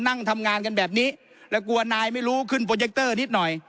นั่งทำงานกันแบบนี้แล้วกลัวนายไม่รู้ขึ้นโปรเจคเตอร์นิดหน่อย